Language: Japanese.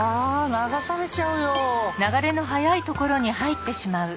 流されちゃうよ！